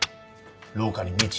廊下に「道」